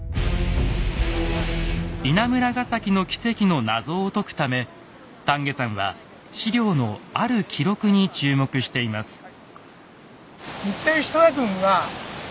稲村ヶ崎の奇跡の謎を解くため田家さんは史料のある記録に注目しています。